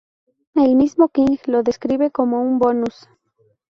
El mismo King lo describe como un bonus.